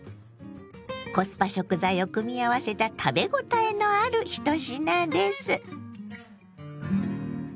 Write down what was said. コスパ食材を組み合わせた食べ応えのある１品です。